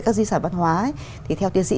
các di sản văn hóa thì theo tiến sĩ